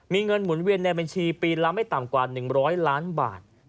มีเงินหมุนเวียนในบัญชีปีละไม่ต่ำกว่า๑๐๐ล้านบาท